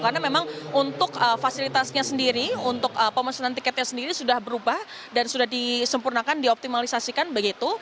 karena memang untuk fasilitasnya sendiri untuk pemesanan tiketnya sendiri sudah berubah dan sudah disempurnakan dioptimalisasikan begitu